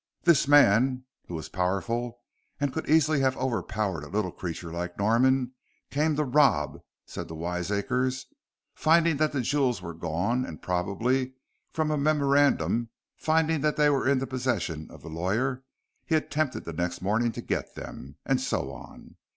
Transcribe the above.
"This man, who was powerful and could easily have overpowered a little creature like Norman, came to rob," said these wiseacres. "Finding that the jewels were gone, and probably from a memorandum finding that they were in the possession of the lawyer, he attempted the next morning to get them " and so on.